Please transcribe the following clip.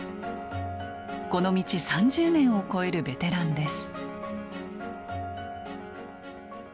この道３０年を超えるベテランです。